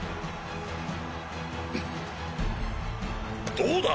どうだ！